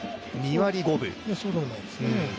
そうでもないですね。